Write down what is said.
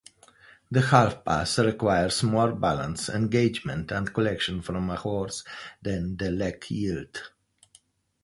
The half-pass requires more balance, engagement, and collection from a horse than the leg-yield.